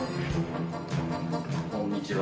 こんにちは。